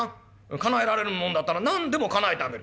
かなえられるもんだったら何でもかなえてあげる。